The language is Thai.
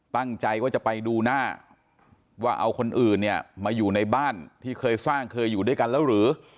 ตั้งใจว่าจะไปดูหน้าว่าเอาคนอื่นเนี่ยมาอยู่ในบ้านที่เคยสร้างเคยอยู่ด้วยกันแล้วหรือ